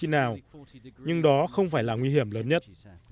nhưng đó không phải là nguy hiểm lớn nhất